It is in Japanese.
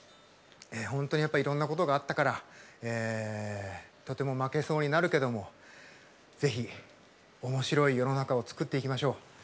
本当にやっぱりいろんなことがあったからとても負けそうになるけども是非面白い世の中を作っていきましょう。